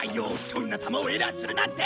そんな球をエラーするなんて！